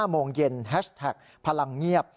โมงเย็นแฮชแท็กพลังเงียบ